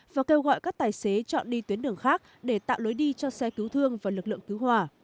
và kêu gọi các tài xế chọn đi tuyến đường khác để tạo lối đi cho xe cứu thương và lực lượng cứu hỏa